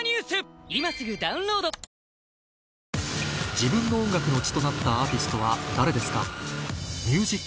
自分の音楽の血となったアーティストは誰ですか？